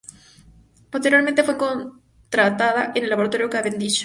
Posteriormente fue contratada en el Laboratorio Cavendish.